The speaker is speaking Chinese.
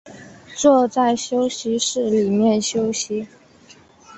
坐在休息室里面休息